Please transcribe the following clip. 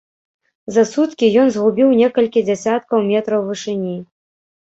За суткі ён згубіў некалькі дзясяткаў метраў вышыні.